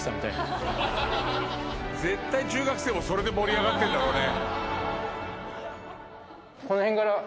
絶対中学生もそれで盛り上がってんだろうね。